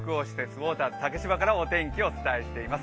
ウォーターズ竹芝からお天気をお伝えしています。